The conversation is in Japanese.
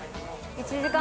１時間。